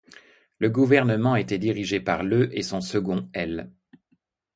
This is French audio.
Le gouvernement était dirigé par le et son second, l'.